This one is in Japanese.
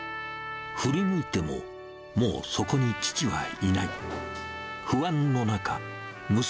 振り向いても、もうそこに父はいない。